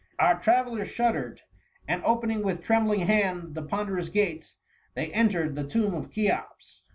Our travellers shud dered, and opening with trembling hand the ponderous gates, they entered the tomb of Cheops.